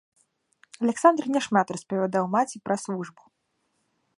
Аляксандр няшмат распавядаў маці пра службу.